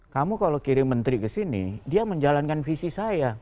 kamu kalau kirim menteri kesini dia menjalankan visi saya